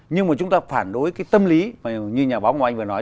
nhưng mà chúng ta phản đối cái tâm lý mà như nhà báo ngọc anh vừa nói